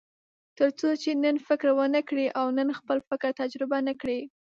تر څو چې نن فکر ونه کړئ او نن خپل فکر تجربه نه کړئ.